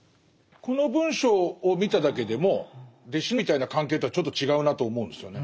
この文章を見ただけでも弟子みたいな関係とはちょっと違うなと思うんですよね。